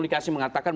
kita bisa mengatakan